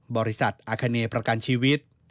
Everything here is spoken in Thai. บริษัทอาคเนประกันชีวิต